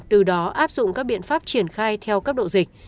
từ đó áp dụng các biện pháp triển khai theo cấp độ dịch